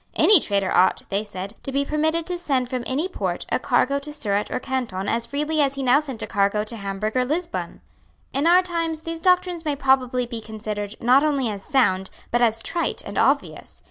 Any trader ought, they said, to be permitted to send from any port a cargo to Surat or Canton as freely as he now sent a cargo to Hamburg or Lisbon. In our time these doctrines may probably be considered, not only as sound, but as trite and obvious.